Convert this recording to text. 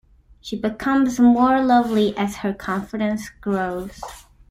She becomes more lovely as her confidence grows.